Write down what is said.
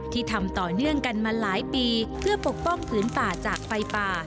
ทำต่อเนื่องกันมาหลายปีเพื่อปกป้องผืนป่าจากไฟป่า